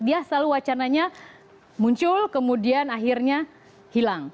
dia selalu wacananya muncul kemudian akhirnya hilang